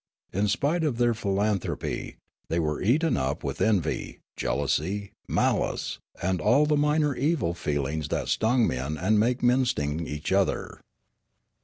In spite of their philanthropy, they were eaten up with envy, jealousy, malice, and all the minor evil feelings that sting men and make men sting each other.